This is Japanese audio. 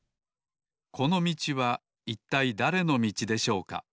このみちはいったいだれのみちでしょうか？